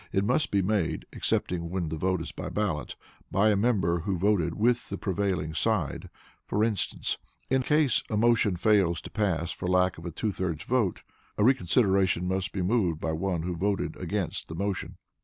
It must be made, excepting when the vote is by ballot, by a member who voted with the prevailing side; for instance, in case a motion fails to pass for lack of a two thirds vote, a reconsideration must be moved by one who voted against the motion.